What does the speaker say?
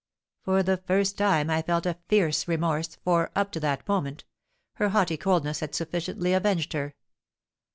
For the first time I felt a fierce remorse, for, up to that moment, her haughty coldness had sufficiently avenged her.